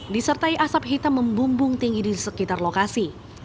disertai asap hitam membumbung tinggi di sekitar lokasi